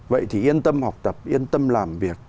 vậy thì yên tâm học tập yên tâm làm việc